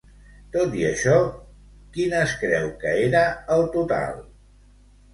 Tot i això, quin es creu que era el total?